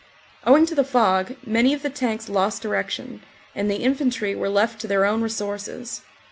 Owing to the fog many of the tanks lost direction, and the infantry were left to their own resources.